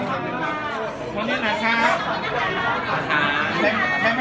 ขอบคุณแม่ก่อนต้องกลางนะครับ